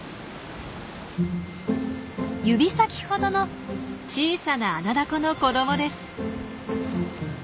指先ほどの小さなアナダコの子どもです。